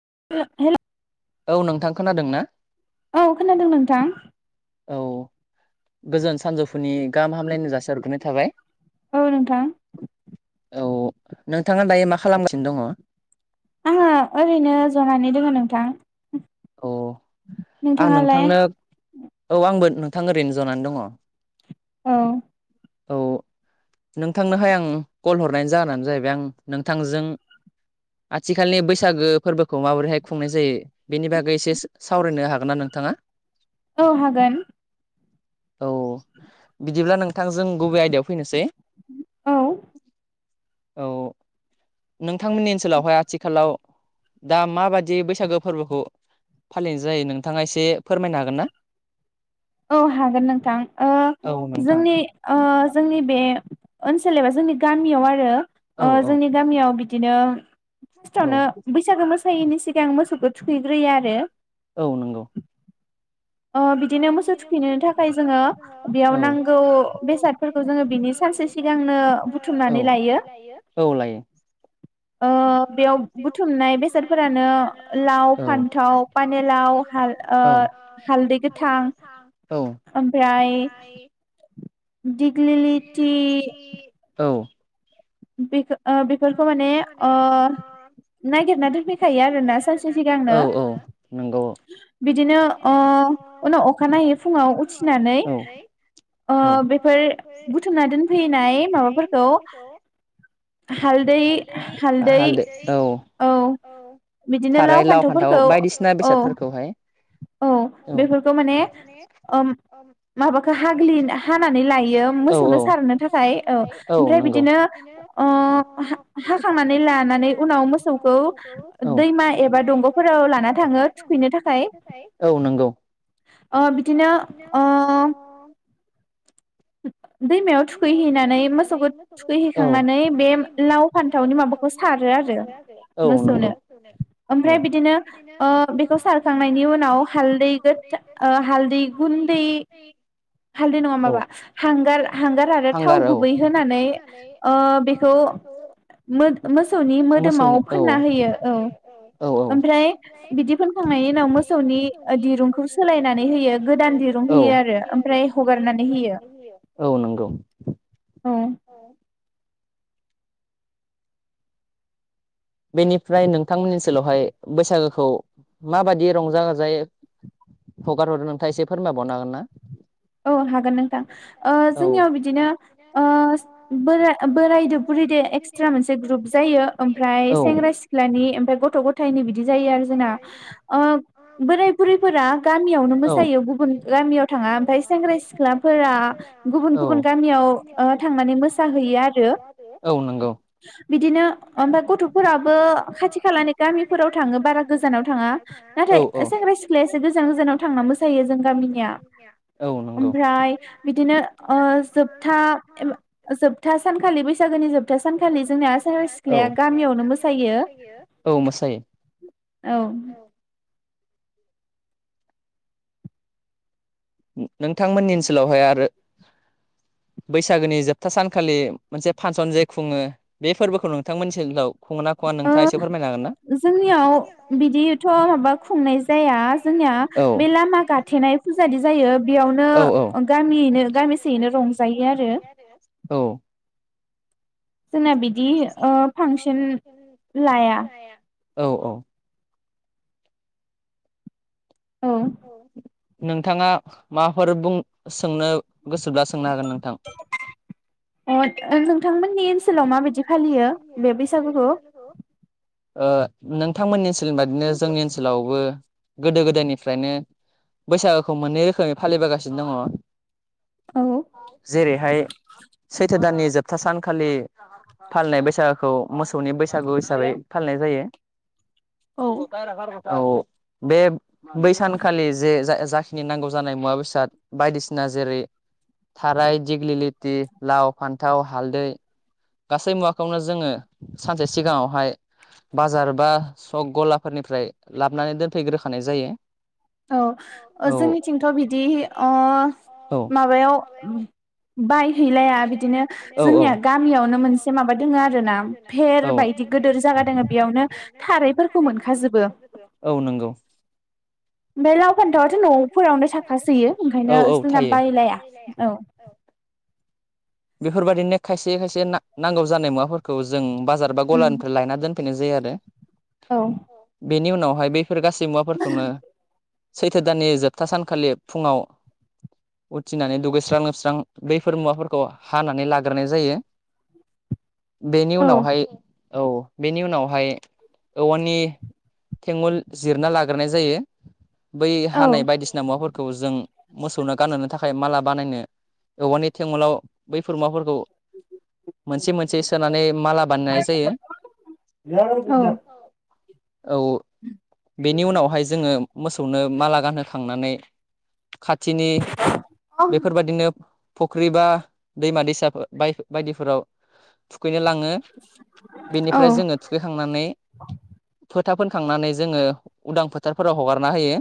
[unintelligible] औ नोंथां खोनादों ना औ गोजोन सानजौफुनि गाहाम हामलायनो जास हरग्रोनाय थाबाय औ नोंथाङा दायो मा आङो ओरैनो जनानै दोङो नोंथां अ आं नोंथांनो औ आंबो नोंथां ओरैनो जनानै दङ [unintelligible] औ नोंथांनोहाय आं कल हरनायनि जाहोनानो जाहैबाय आं नोंथांजों आथिखालनि बैसागो फोरबोखौ माबोरैहाय खुंनाय जायो बेनि बागै एसे सावरायनो हागोन ना नोंथाङा औ हागोन औ बिदिब्ला नोंथांजों बे आयदायाव फैनोसै औ औ नोंथांमोननि ओनसोलावहाय आथिखालाव दा माबादि बैसागो फोरबोखौ फालिनाय जायो नोंथां नोंथाङा एसे फोरमायनो हागोन ना औ हागोन नोंथां जोंनि जोंनि बे ओनसोल एबा जोंनि गामियाव आरो जोंनि गामियाव बिदिनो फार्स्टआवनो बैसागो मोसायैनि सिगां मोसौखौ थुखैग्रोयो आरो औ नंगौ ओ बिदिनो मोसौ थुखैनो थाखाय जोङो बेयाव नांगौ बेसादफोरखौ जोङो बिनि सानसे सिगांनो बुथुमनानै लायो ओ बेयाव बुथुमनाय बेसादफोरानो लाव फान्थाव पानलाव हाल ओ हाल हालदिखौ औ बे बेफोरखौ माने नागिरना दोनफैखायो आरोना सानसे सिगांनो बिदिनो औ उनाव अखानायैै फुङाव उथिनानै औ अ बेखौ बुथुमना दोनफैनाय माबाफोरखौ हालदै हालदै औ बिदिनो लाव फान्थावफोरखौ औ औ बेफोरखौ माने माबाखौ हाग्लि हानानै लायो मोसौनो सारनो थाखाय औ ओमफ्राय बिदिनो ओ हाखांनानै लानानै उनाव मोसौखौ दैमा एबा दंग' फोराव लाना थाङो थुखैनो थाखाय बिदिनो दैमायाव थुखैहैनानै मोसौखौ थुखैहै थांनानै बे लाव फान्थावनि माबाखौ सारो आरो मोसौनो ओमफ्राय बिदिनो बेखौ सारखांनायनि उनाव हालदै गोद हालदै गुन्दै हालदै नङा माबा हांगार हांगार आरो थाव गुबै होनानै बेखौ मोसौनि मोदोमाव फोनना होयो औ ओमफ्राय बिदि फोनखांनाय नि उनाव मोसौनि दिरुंखौ सोलायनानै होयो गोदान दिरुं होयो आरो ओमफ्राय हगारनानै होयो औ औ बेनिफ्राय नोंथांमोननि ओनसोलावहाय बैसागोखौ माबाददि रंजा बाजायै हगार हरदो नोंथाङा एसे फोरमायबावनो हागोन ना औ हागोन नोंथां जोंनियाव बिदिनो बोरायदब बुरै फ्रि दे एक्सट्रा मोनसे ग्रुप जायो ओमफ्राय सेंग्रा सिख्लानि ओमफफ्राय गथ' गथायाइनि बिदि जायो आरो जोंना बोराय बुरैफोरा गामियावनो मोसायो गुबुन गामियाव थाङा ओमफ्राय सेंग्रा सिख्लाफोरा गुबुन गुबुन गामियाव थांनानै मोसाहैयो आरो औ बिदिनो ओमफ्राय गथ' फोराबो खाथि खालानि गामिफोराव थाङो बारा गोजानाव थाङा नाथाय सेंग्रा सिख्लासो गोस औ नंगौ आमफ्राय बिदिनो जोबथा जोबथा सानखालि बैसागोनि जोबथा सान सखालि जोंनि सेंग्रा सिख्लाया गा गामियावनो मोसायो औ नोंथांमोननि ओनसोलावहाय आरो बैसागोनि जोबथा सानखालि मोनसे फांसन जे खुङो बे फोरबोखौ नोंथांमोननि ओनसोलाव खङना खङा नोंथाङा एसे फोरमायना होनो हागोनना [unintelligible] औ औ औजायो औ जोंना बिदि फांसन लाया औ औ नोंथाङा माफोर बुं सोंनो गोसोबा सोंनो हागोन नोंथां दनो बेथिल नयो बे बेसोरखौ नोंथांमोननि ओनसोलनि बादिनो जोंनि ओनसोलावबो गोदो गोदायनिफ्रायनो बैसागोखौ मोननै रोखोमै फालिबोगासिनो दङ जेरैहाय सैथो दाननि जोबथा सानखालि फालिनाय बैसागुखौ मोसौनि बैसागु हिसाबै फालिनाय जायो औ बे बैसानखालि जे जाखिनि नांगौ जानाय मुवा बेसाद बायदिसिना जेरै थाराय दिग्लिलिथि लाव फान्थाव हालदै गासै मुवाखौनो जोङो सानसे सिगाङावहाय बाजार बा सक गलाफोरनिफ्राय लाबोनानै दोनफैग्रोखानाय जायो औ जोंनिथिंथ' बिदि अह माबायाव बायहैलाया बिदिनो जोंनिया गामियावनो मोनसे माबा दङ आरो ना फेर बायदि दि ज जागा द बेयावनो सारायफोरखौ मोनखाजोबो औ नंगौ बेथ औ औ थ [unintelligible] बेफोरबायदिनो खायसे खायसे नांगौ जानाय मुवाफोरखौ जों बाजार बा गलानिफ्राय लायना दोन फैनाय जायो आरो औ बेनि उनावहाय बैफोर गासै मुवाफोरखौनो सैथो दाननि जोबथा सानखालि फुङाव उथिनानै दुगैस्रां लोबस्रां बै फोरमुवाफोरखौ हानानै लाग्रोनाय जायो बेनि उनावहाय औ बेनि उनावहाय औवनि थेंगुल जिरना लाग्रोनाय जायो। बै हानाय बायदिसिना मुवाफोरखौ जों मोसौनो गानहोनो थाखाय माला बानायनो। औवानि थेङलाव बैफोर मुवाफोरखौ मोनसे मोनसे सोनानै माला बानायनाय जायो। औ औ बेनि उनावहाय जोङो मोसौनो माला गानहोखांनानै खाथिनि बेफोरबायाददिनो फुख्रि बा दैमा दैसा बाय बायदिफोराव थुखैनो लाङो। ङो बेनिफ्राय जोङो थुखैखांनानै फो था फोनखांनानै जोङो उदां फोथारफोराव हगारना होयो।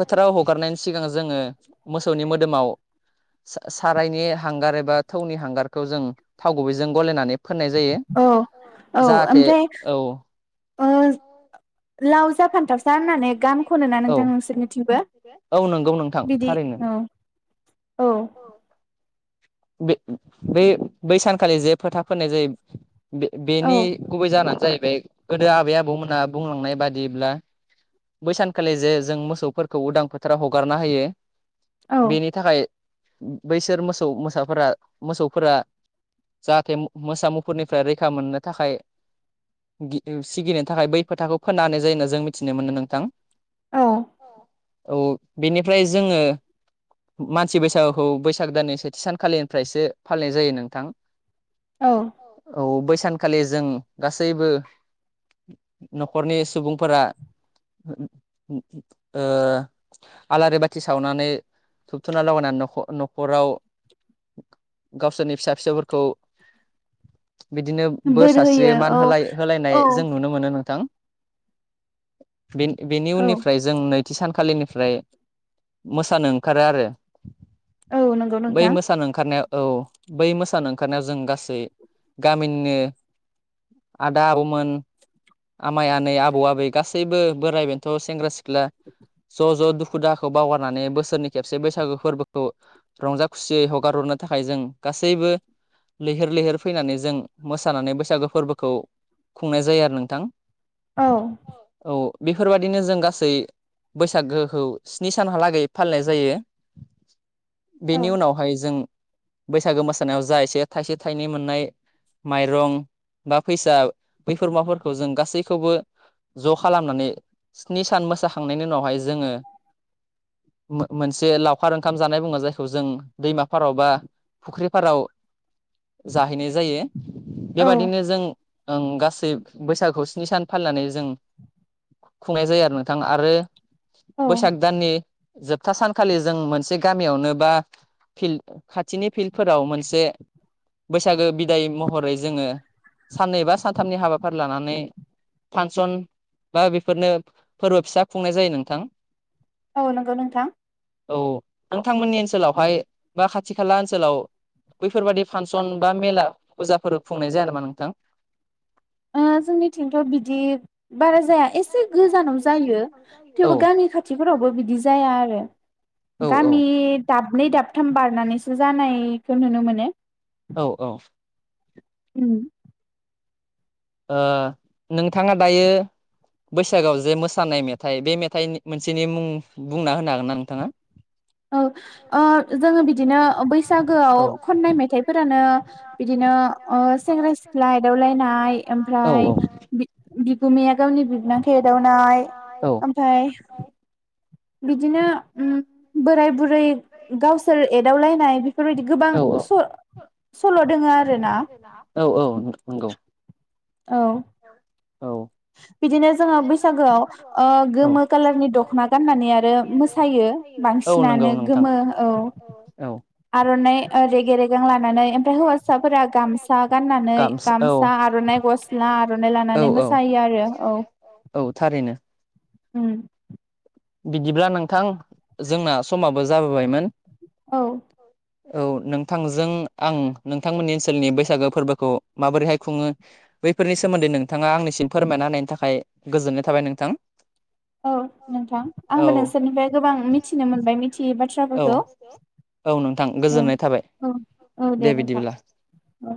फोथाराव हगारनायनि सिगां जोङो मोसौनि मोदोमाव सा-सारायनि हांगार एबा थौनि हांगारखौ जों थाव गुबैजों गलायनानै फोननाय जायो जाहाथे औ ओज लाव जा फानथाव औ औ नंगौ नोंथां थारैनो औ बे बै बै सानखालि जे फोथा फोननाय जायो बे-बेनि गुबै जाहोनानो जाहैबाय गोदो आबै आबौमोनहा बुंलांनाय बादिब्ला बै सानखालि जे जों मोसौफोरखौ उदां फोथाराव हगारना होयो बेनि थाखाय बैसोर मोसौ मोसा फोरा मोसौफोरा जाहाथे मोसा मुफुरनिफ्राय रैखा मोननो थाखाय गि-सिगिनो थाखाय बै फोथाखौ फोनना होनाय जायोनो होनना जों मिथिनो मोनो नोंथां। औ औ बेनिफ्राय जोङो मानसि बैसागुखौ बैसाग दाननि सेथि सान खालिनिफ्रायसो फालिनाय जायो नोंथां औ बैसाग सानखालि जों गासैबो न'खरनि सुबुंफोरा ओ आलारि बाथि सावनानै धुप धुना लागायनानै नख' न'खराव गावसोरनि फिसा फिसौफोरखौ बिदिनो बोर सास्रियो मान होलाय होलायनाय जों नुनो मोनो नोंथां। बेनि बेनि उननिफ्राय जों नैथि सानखालिनि फ्राय मोसानो ओंखारो आरो। बै मोसानो ओंखारनायाव औ बै मोसानो ओंखारनायाव जों गासै गामिनिनो आदा आबौमोन आमाइ आनै आबौ आबै गासैबो बोराइ बेन्थ' सेंग्रा सि ख्ला ज' ज' दुखु दाहाखौ बावगारनानै बोसोरनि खेबसे बैसागु फोरबोखौ रंजा खुसियै हगारहरनो थाखाय जों गासैबो लैहोर लैहोर फैनानै जों मोसानानै बैसागो फोरबोखौ खुंनाय जायो आरो नोंथां। औ बेफोरबायदिनो जों गासै बैसागोखौ स्नि सानहालागै फालिनाय जायो। बेनि उनावहाय जों बैसागो मोसानायाव जा एसे थाइसे थाइनै मोननाय माइरं बा फैसा बैफोर मुवाफोरखौ जों गासैखौबो ज' खालामनानै स्नि सान मोसाखांनायनि उनावहाय जोङो मो-मोनसे लावखार ओंखाम जानाय बुंङो जाय खौ जों दैमाफाराव बा फुख्रि फाराव जाहैनाय जायो। बेबादिनो जों ओं गासै बैसागुखौ स्नि सान फालिनानै जों खुंनाय जायो आरो नोंथां आरो बैसाग दाननि जोबथा सानखालि जों मोनसे गामियावनो बा फिल खाथिनि फिल्डफोराव मोनसे बैसागो बिदाय महरै जोङो साननै बा सानथामनि हाबाफारि लानानै फांसन बा बेफोरनो फोरबो फिसा खुंनाय जायो नोंथां। औ नंगौ नोंथां। औ नोंथांमोननि ओनसोलावहाय बा खाथि खाला ओनसोलाव बैफोरबादि फांसन बा मेला फुजाफोर खुंनाय जाया नामा नोंथां। ओ जोंनिथिंथ' बिदि बारा जाया एसे गोजानाव जायो थेवबो गामि खाथिफोरावबो बिदि जाया आरो। गामि दाबनै दाबथाम बारनानैसो जानायखौ नुनो मोनो। औ औ उम नोंथाङा दायो बैसागआव जे मोसानाय मेथाइ बे मेथाइनि मोनसेनि मुं बुंना होनो हागोन ना नोंथाङा [unintelligible] [unintelligible] औ जोङो बिदिनो बैसागोआव खननाय मेथाइफोरानो बिदिनो ओ सेंग्रा सिख्ला एदावलायना बि ओमफ्राय बिगुमैाया गावनि बिबोनांखौ एदावनाय ओमफ्रायफ्राय बिदिनो उम बोराय बुरै गावसोर एदावलायनाय बेफोरबायदि गोबां सल' दोङ आरो ना औ नंगौ औ औ बिदिनो जोङो बैसागोआव गोमो खाालारनि दखना गाननानै आरो मोसायो बांसिनानो गोमो औ आर'नाइ रेगे रेगां लानानै ओमफ्राय हौवासाफोरा गामसा गाननानै गामसा आर'ना सनाय गस्ला आर'नाइ लानानै मोसायो आरो औ औ थारैनो उम बिदिब्ला नोंथां जोंना समाबो जाबोबायमोन औ औ नोंथांजों आं नोंथांमोननि ओनसोलनि बैसागो फोरबोखौ माबोरैहाय खुङो बैफोरनि सोमोन्दै नोंथाङा आंनिसिम फोरमायना होनायनि थाखाय गोजोननाय थाबाय नोंथां औ नोंथां आंबो नोंसोरनिफ्राय गोबां मिथिनो मोनबाय मिथियै बाथ्राफोरखौ औ औ औ दे नोंथां औ